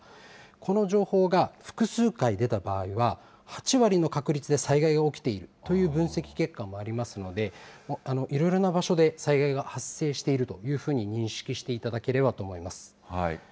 この情報が複数回出た場合は、８割の確率で災害が起きているという分析結果もありますので、いろいろな場所で災害が発生しているというふうに認識していただければと思います。